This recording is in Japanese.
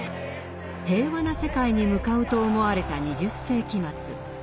平和な世界に向かうと思われた２０世紀末。